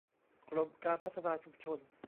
กรมการพัฒนาชุมชน